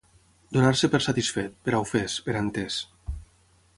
Donar-se per satisfet, per ofès, per entès.